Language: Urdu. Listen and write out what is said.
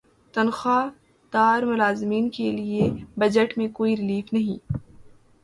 تنخواہ دار ملازمین کے لیے بجٹ میں کوئی ریلیف نہیں